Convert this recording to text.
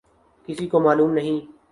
کسی کو معلوم نہیں۔